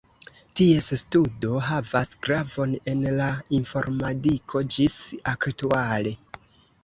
Ties studo havas gravon en la informadiko ĝis aktuale.